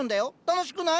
楽しくない？